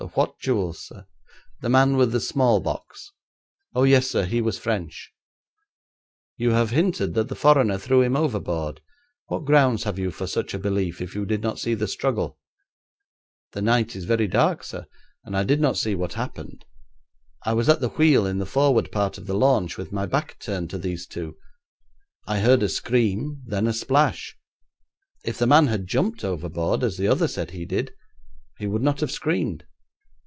'What jewels, sir?' 'The man with the small box.' 'Oh, yes, sir; he was French.' 'You have hinted that the foreigner threw him overboard. What grounds have you for such a belief if you did not see the struggle?' 'The night is very dark, sir, and I did not see what happened. I was at the wheel in the forward part of the launch, with my back turned to these two. I heard a scream, then a splash. If the man had jumped overboard as the other said he did, he would not have screamed.